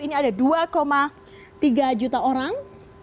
ini ada dua tiga juta orang